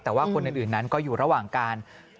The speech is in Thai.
แต่ว่าคนอื่นนั้นก็อยู่ระหว่างการ